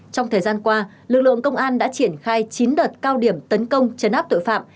trong thời gian qua lực lượng công an đã triển khai chín đợt cao điểm tấn công chấn áp tội phạm